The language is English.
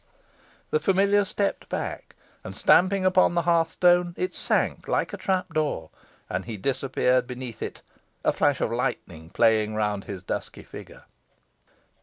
The familiar stepped back, and, stamping upon the hearthstone, it sank like a trapdoor, and he disappeared beneath it, a flash of lightning playing round his dusky figure.